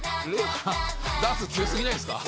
「ダンス強過ぎないですか？」